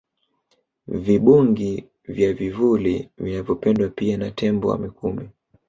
Vibungi vya vivuli vinavyopendwa pia na tembo wa Mikumi